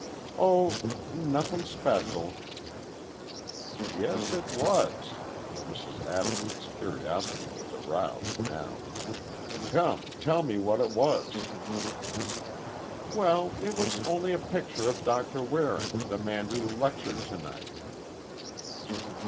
"Oh,—nothing special." "Yes, it was." Mrs. Adams' curiosity was aroused now. "Come, tell me what it was." "Well, it was only a picture of Doctor Waring, the man who lectured tonight."